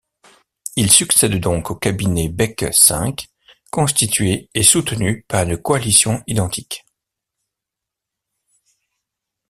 Il succède donc au cabinet Beck V, constitué et soutenu par une coalition identique.